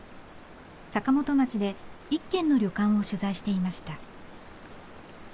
坂本町で一軒の旅館を取材していました。